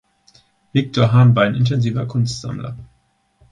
Victor Hahn war ein intensiver Kunstsammler.